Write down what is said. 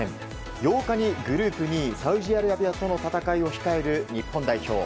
８日にグループ２位サウジアラビアとの戦いを控える日本代表。